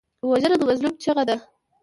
وژنه د مظلوم چیغه ده